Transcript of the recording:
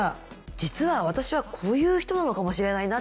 実は私はこういう人なのかもしれないなっていうのが。